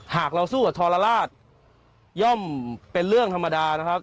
หากเราสู้กับทรลาศย่อมเป็นเรื่องธรรมดานะครับ